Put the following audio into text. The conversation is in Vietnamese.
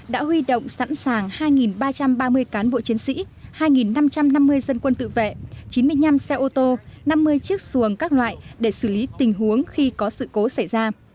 bộ chỉ huy quân sự tỉnh và các đơn vị quân đội đứng chân trên địa bàn đã huy động sẵn sàng hai ba trăm ba mươi cán bộ chiến sĩ hai năm trăm năm mươi dân quân tự vệ chín mươi năm xe ô tô năm mươi chiếc xuồng các loại để xử lý tình huống khi có sự cố xảy ra